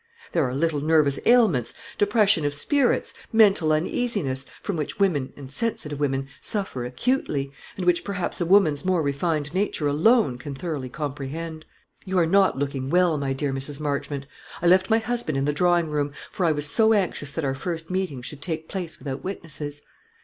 There are little nervous ailments depression of spirits, mental uneasiness from which women, and sensitive women, suffer acutely, and which perhaps a woman's more refined nature alone can thoroughly comprehend. You are not looking well, my dear Mrs. Marchmont. I left my husband in the drawing room, for I was so anxious that our first meeting should take place without witnesses.